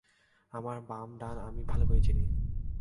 আমার বাম-ডান আমি ভালো করেই চিনি।